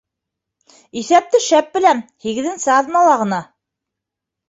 Иҫәпте шәп беләм - һигеҙенсе аҙнала ғына.